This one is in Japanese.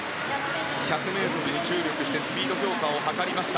１００ｍに注力してスピード強化を図りました。